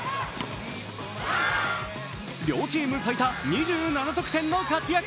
両チーム最多２７得点の活躍。